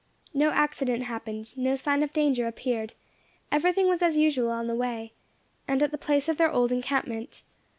No accident happened, no sign of danger appeared; everything was as usual on the way, and at the place of their old encampment.